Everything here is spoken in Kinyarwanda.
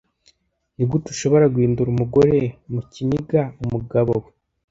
Nigute ushobora guhindura umugore mukigina umugabo we